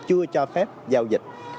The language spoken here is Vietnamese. chưa cho phép giao dịch